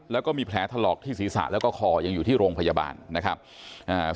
แล้วก็มีแผลถลอกที่ศีรษะแล้วก็คอยังอยู่ที่โรงพยาบาลนะครับอ่า